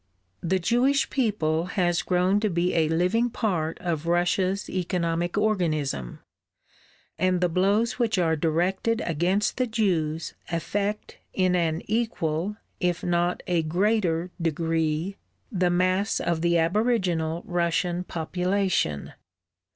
The Jewish people has grown to be a living part of Russia's economic organism, and the blows which are directed against the Jews affect in an equal, if not a greater, degree the mass of the aboriginal Russian population.